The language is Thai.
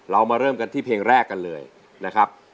เรามาเริ่มกันที่เพลงแรกกันเลยนะครับ